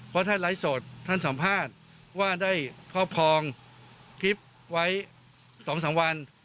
เพราะท่านไลฟ์สดท่านสัมภาษณ์ว่าได้ครอบครองคลิปไว้๒๓วัน